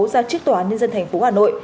ra trước tòa nhân dân thành phố hà nội